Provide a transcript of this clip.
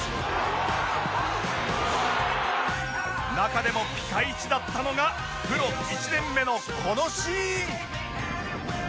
中でもピカイチだったのがプロ１年目のこのシーン